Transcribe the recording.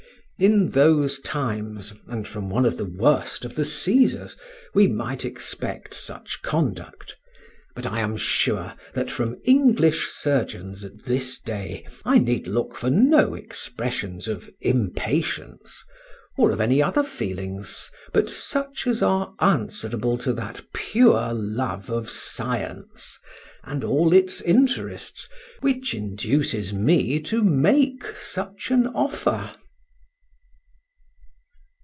In those times, and from one of the worst of the Cæsars, we might expect such conduct; but I am sure that from English surgeons at this day I need look for no expressions of impatience, or of any other feelings but such as are answerable to that pure love of science and all its interests which induces me to make such an offer.